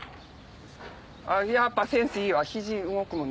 やっぱセンスいいわ肘動くもんね。